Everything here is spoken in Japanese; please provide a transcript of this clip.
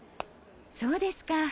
そうですか。